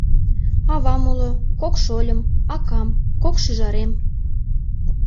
Авам уло, кок шольым, акам, кок шӱжарем.